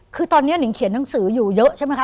คือตอนนี้หนิงเขียนหนังสืออยู่เยอะใช่ไหมคะ